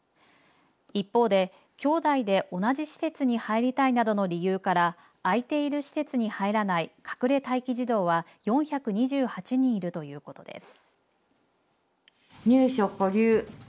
一方で、きょうだいで同じ施設に入りたいなどの理由から空いている施設に入らない隠れ待機児童は４２８人いるということです。